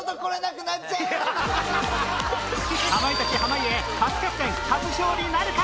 かまいたち濱家初キャプテン初勝利なるか？